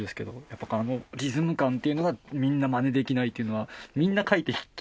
やっぱりあのリズム感っていうのがみんなまねできないというのはみんな書いてきてたんで。